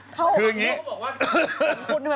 ซึ่งเขาบอกว่า